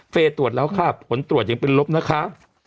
ตรวจแล้วค่ะผลตรวจยังเป็นลบนะคะ